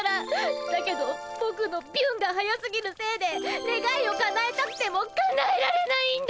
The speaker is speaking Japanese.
だけどぼくのビュンが速すぎるせいでねがいをかなえたくてもかなえられないんだ！